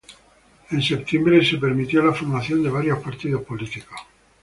En septiembre se permitió la formación de varios partidos políticos.